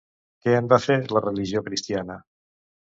Què en va fer la religió cristiana?